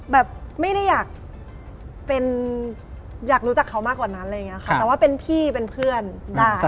แบบไม่ได้อยากรู้จักเขามากกว่านั้นแต่ว่าเป็นพี่เป็นเพื่อนได้